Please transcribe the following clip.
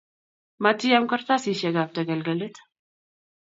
matiyam kartasisiekab tekelkelit